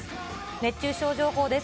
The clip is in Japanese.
熱中症情報です。